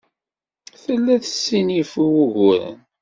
Tella tessinif i wuguren.